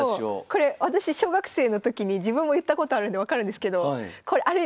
これ私小学生の時に自分も言ったことあるんで分かるんですけどあれ